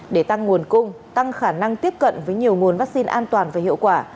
để tăng nguồn cung tăng khả năng tiếp cận với nhiều nguồn vaccine an toàn và hiệu quả